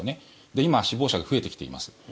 今、死亡者が増えてきています。